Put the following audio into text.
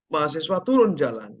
mahasiswa turun jalan